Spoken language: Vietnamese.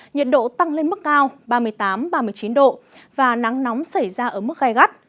nhiệt độ tăng lên mức cao ba mươi tám ba mươi chín độ và nắng nóng xảy ra ở mức gai gắt